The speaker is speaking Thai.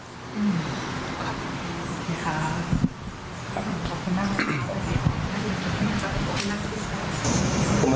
โอเคค่ะขอบคุณครับ